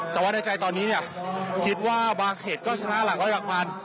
แต่ว่าในใจตอนนี้เนี่ยคิดว่าบางเขตก็ชนะหลักร้อยหลักพัน